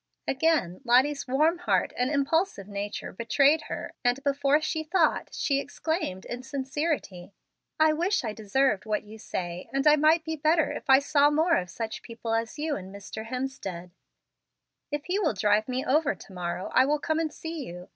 Again, Lottie's warm heart and impulsive nature betrayed her, and, before she thought, she exclaimed in sincerity: "I wish I deserved what you say, and I might be better if I saw more of such people as you and Mr. Hemstead. If he will drive me over to morrow, I will come and see you.